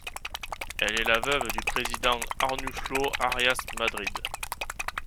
Elle est la veuve du président Arnulfo Arias Madrid.